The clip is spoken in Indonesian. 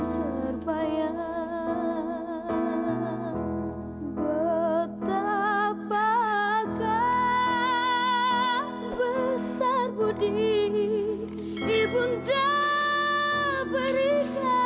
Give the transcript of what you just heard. bagaimana yang betapa besar budi ibu anda berikan